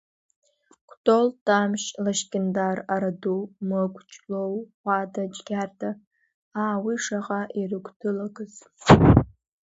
Кәтол, Тамшь, Лашькьындар, Араду, Мықә, Ҷлоу, Ӷәада, Џьгьарда аа, уи шаҟа ирыгәҭылакыз.